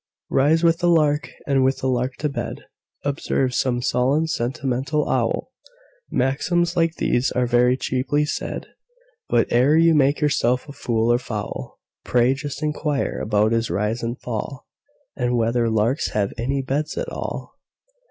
"Rise with the lark, and with the lark to bed,"Observes some solemn, sentimental owl; Maxims like these are very cheaply said; But, ere you make yourself a fool or fowl, Pray just inquire about his rise and fall, And whether larks have any beds at all!